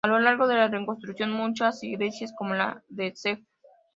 A lo largo de la reconstrucción, muchas iglesias, como la de Sf.